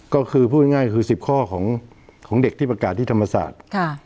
ก็คือพูดง่ายคือ๑๐ข้อของเด็กที่ประกาศที่ธรรมศาสตร์